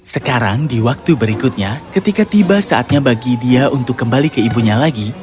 sekarang di waktu berikutnya ketika tiba saatnya bagi dia untuk kembali ke ibunya lagi